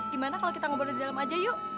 gimana kalau kita ngobrol dari dalam aja yuk